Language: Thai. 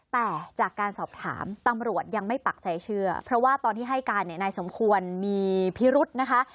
แต่จากการสอบถามตำรวจยังไม่ปักใจเชื่อเพราะว่าตอนที่ให้การเนี่ยนายสมควรมีพิรุษนะคะ